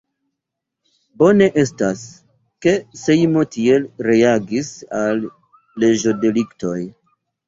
Bone estas, ke Sejmo tiel reagis al leĝo-deliktoj.